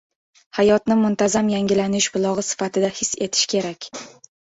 Hayotni muntazam yangilanish bulogʻi sifatida his etish kerak.